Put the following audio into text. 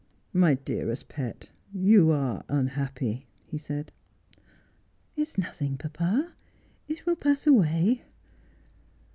'My dearest pet, you are unhappy,' he said. ' It's nothing, papa. It will pass away.'